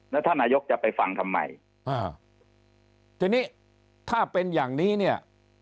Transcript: แล้วท่านนายกจะไปฟังทำไมอ่าทีนี้ถ้าเป็นอย่างนี้เนี่ย